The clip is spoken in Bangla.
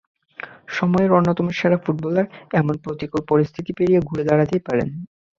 সময়ের অন্যতম সেরা ফুটবলার এমন প্রতিকূল পরিস্থিতি পেরিয়ে ঘুরে দাঁড়াতেই পারেন।